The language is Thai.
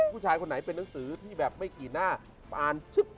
ผู้ชายคนไหนเป็นนักศึกษี่ที่แบบไม่กี่หน้า